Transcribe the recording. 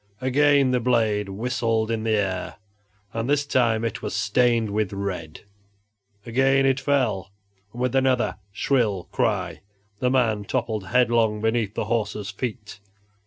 Again the blade whistled in the air, and this time it was stained with red. Again it fell, and with another shrill cry the man toppled headlong beneath the horse's feet.